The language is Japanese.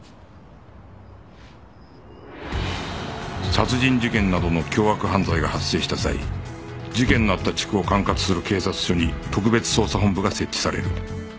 殺人事件などの凶悪犯罪が発生した際事件のあった地区を管轄する警察署に特別捜査本部が設置される